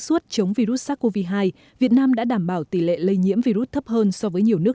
suốt chống virus sars cov hai việt nam đã đảm bảo tỷ lệ lây nhiễm virus thấp hơn so với nhiều nước